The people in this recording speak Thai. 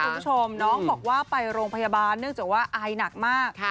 คุณผู้ชมน้องบอกว่าไปโรงพยาบาลเนื่องจากว่าไอหนักมาก